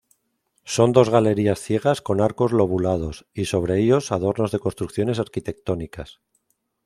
Son dos galerías ciegas con arcos lobulados, y sobre ellos adornos de construcciones arquitectónicas.